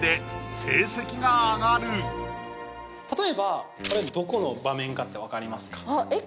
例えばこれどこの場面かって分かりますか？